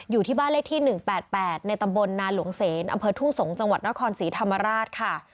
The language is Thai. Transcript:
อยู่ที่บ้านเลขที่๑๘๘ในตำบลนาหลวงเสนอำเภอทุ่งสงศ์จังหวัดนครศรีธรรมราชค่ะ